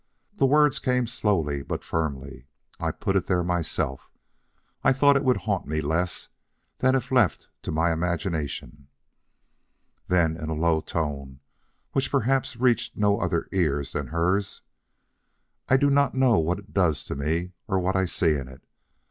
The words came slowly but firmly. "I put it there myself. I thought it would haunt me less than if left to my imagination." Then in a low tone which perhaps reached no other ears than hers: "I do not know what it does to me; or what I see in it.